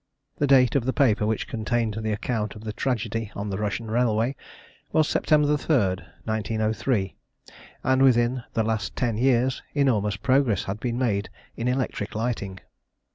The date of the paper which contained the account of the tragedy on the Russian railway was September 3rd, 1903, and within the last ten years enormous progress had been made in electric lighting.